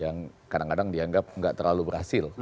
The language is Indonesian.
yang kadang kadang dianggap nggak terlalu berhasil